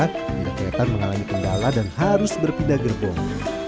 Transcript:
sehingga kereta mengalami kendala dan harus berpindah gerbong